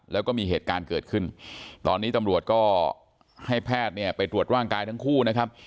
แล้วก็มีเหตุการณ์เกิดขึ้นตอนนี้ตำรวจก็ให้แพทย์เนี่ยไปตรวจร่างกายทั้งคู่นะครับ